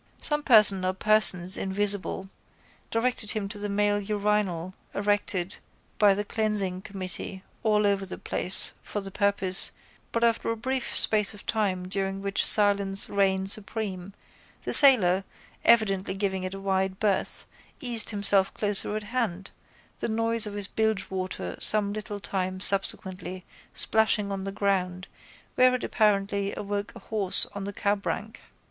Some person or persons invisible directed him to the male urinal erected by the cleansing committee all over the place for the purpose but after a brief space of time during which silence reigned supreme the sailor, evidently giving it a wide berth, eased himself closer at hand, the noise of his bilgewater some little time subsequently splashing on the ground where it apparently awoke a horse of the cabrank.